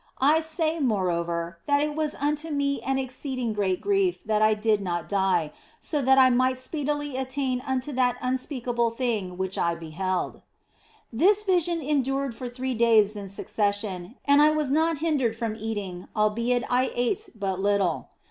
I say, moreover, that it was unto me an exceeding great grief that I did not die, so that I might speedily attain unto that unspeakable thing which I beheld. This vision endured for three days in succession, and I was not hindered from eating, albeit I ate but little.